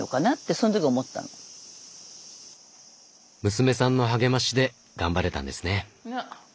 娘さんの励ましで頑張れたんですね。